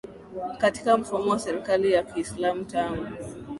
katika mfumo wa serekali ya Kiislamu tangu